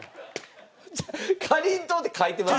「かりんとう」って書いてますやん！